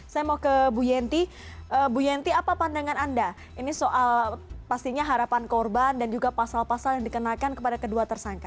saya mau ke bu yenti bu yenti apa pandangan anda ini soal pastinya harapan korban dan juga pasal pasal yang dikenakan kepada kedua tersangka